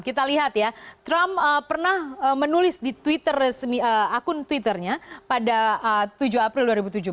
kita lihat ya trump pernah menulis di akun twitternya pada tujuh april dua ribu tujuh belas